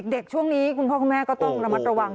ช่วงนี้คุณพ่อคุณแม่ก็ต้องระมัดระวัง